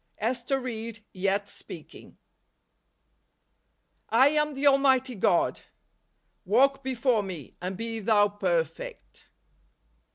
Ester Ried Yet Speaking. " lam the Almighty God; walk before me , and be thou perfect."